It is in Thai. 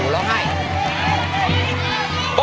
รถมื้อชายละหรอก